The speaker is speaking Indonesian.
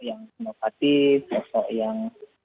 yang inovatif sosok yang